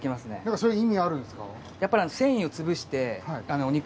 それ意味あるんですか？